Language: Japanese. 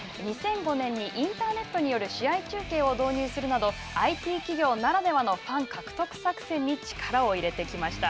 ２００５年にインターネットによる試合中継を導入するなどＩＴ企業ならではのファン獲得作戦に力を入れてきました。